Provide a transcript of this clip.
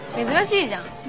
珍しいじゃん。